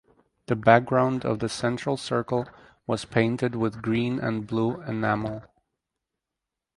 The background of the central circle was painted with green and blue enamel.